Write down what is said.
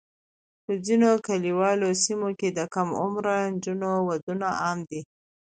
په ځینو کلیوالي سیمو کې د کم عمره نجونو ودونه عام دي.